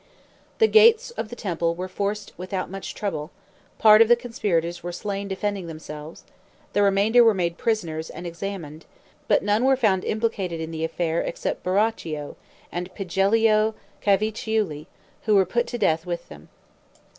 The gates of the temple were forced without much trouble; part of the conspirators were slain defending themselves; the remainder were made prisoners and examined, but none were found implicated in the affair except Baroccio and Piggiello Cavicciulli, who were put to death with them.